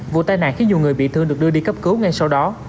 vụ tai nạn khiến nhiều người bị thương được đưa đi cấp cứu ngay sau đó